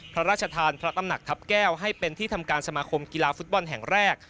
พระราชทานพระตำหนักทัพแก้วให้เป็นที่ทำการสมาคมกีฬาฟุตบอลแห่งแรก